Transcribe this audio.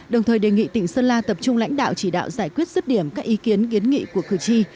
đồng thời đề nghị tỉnh sơn la tập trung lãnh đạo chỉ đạo giải quyết rứt điểm các ý kiến kiến nghị của cử tri